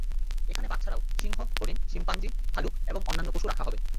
এখানে বাঘ ছাড়াও সিংহ, হরিণ, শিম্পাঞ্জি, ভালুক এবং অন্যান্য পশু রাখা হবে।